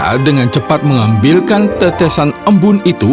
a dengan cepat mengambilkan tetesan embun itu